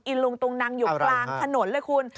ลุงตุงนังอยู่กลางถนนเลยคุณ